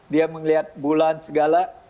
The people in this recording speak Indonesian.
dia melihat bulan segala